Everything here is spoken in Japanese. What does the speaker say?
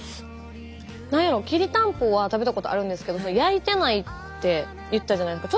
なんやろきりたんぽは食べたことあるんですけど焼いてないって言ってたじゃないですか。